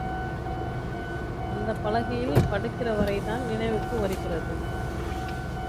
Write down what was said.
அந்தப் பலகையில் படுக்கிற வரைதான் நினைவுக்கு வருகிறது.